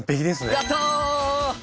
やった！